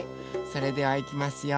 それではいきますよ。